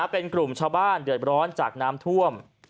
เป็นกลุ่มชาวบ้านเดือดร้อนจากน้ำท่วม